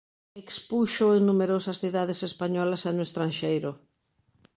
Expuxo en numerosas cidades españolas e no estranxeiro.